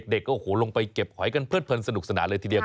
เด็กโอ้โหลงไปเก็บหอยกันเพื่อเผินสนุกสนานเลยทีเดียว